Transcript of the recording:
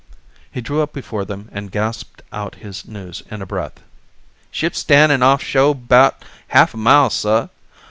He drew up before them and gasped out his news in a breath. "Ship stan'in' off sho' 'bout half a mile suh.